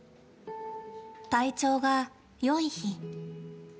体調がよい日。